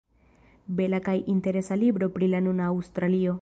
Bela kaj interesa libro pri la nuna Aŭstralio.